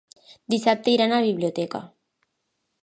Dissabte iran a la biblioteca.